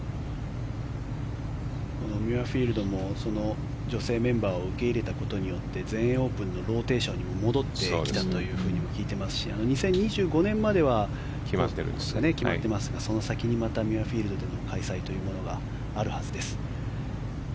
ミュアフィールドも女性メンバーを受け入れたことによって全英オープンのローテーションに戻ったとも聞いていますし２０２５年までは決まってますがその先にまたミュアフィールドでの開催というのがあるはずです。